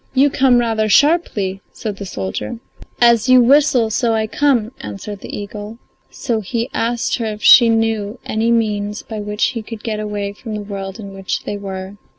"You come rather sharply," said the soldier. "As you whistle so I come," answered the eagle. So he asked her if she knew any means by which he could get away from the world in which they were.